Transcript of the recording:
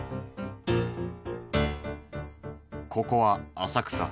ここは浅草。